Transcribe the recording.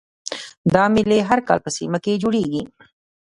دا میلې هر کال په سیمه کې جوړیږي